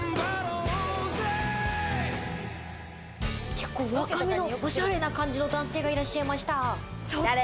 結構若めのおしゃれな感じの男性がいらっしゃいました。